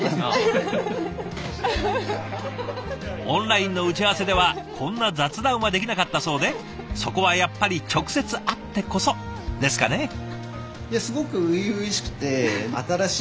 オンラインの打ち合わせではこんな雑談はできなかったそうでそこはやっぱり直接会ってこそですかね。